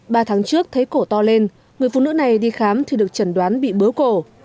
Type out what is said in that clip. ba tháng trước thấy cổ to lên người phụ nữ này đi khám thì được chẩn đoán bị bớ cổ